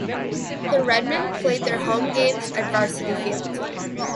The Redmen played their home games at Varsity Field.